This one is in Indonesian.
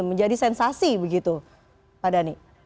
menjadi sensasi begitu pak dhani